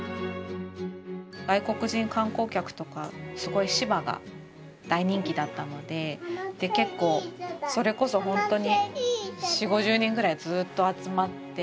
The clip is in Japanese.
外国人観光客とかすごい柴が大人気だったので結構それこそ本当に４０５０人ぐらいずっと集まって。